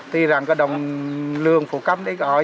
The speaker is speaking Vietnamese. tuy rằng có đồng lương phụ cấp để gọi